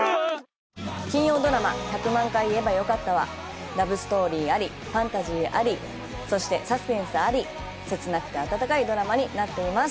金曜ドラマ「１００万回言えばよかった」はラブストーリーありファンタジーありそしてサスペンスあり切なくて温かいドラマになっています